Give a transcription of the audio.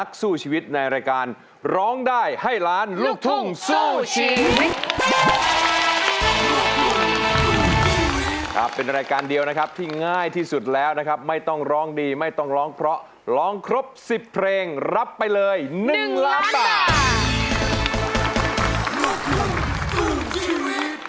ครับเป็นรายการเดียวนะครับที่ง่ายที่สุดแล้วนะครับไม่ต้องร้องดีไม่ต้องร้องเพราะร้องครบ๑๐เพลงรับไปเลย๑ล้านบาท